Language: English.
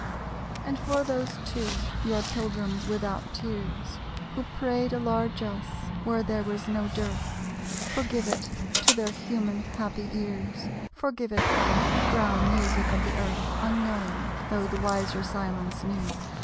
And for those two, your pilgrims without tears, Who prayed a largess where there was no dearth, Forgive it to their human happy ears: Forgive it them, brown music of the Earth, Unknowing, though the wiser silence knew!